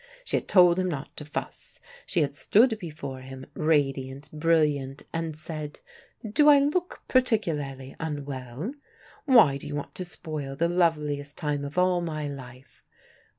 She had told him not to fuss, she had stood before him, radiant, brilliant and said, "Do I look particularly unwell? Why do you want to spoil the loveliest time of all my life?"